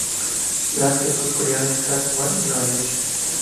Lancaster fue criado en Galloway, Nueva Jersey.